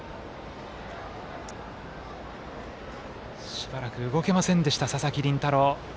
しばらく動けませんでした佐々木麟太郎。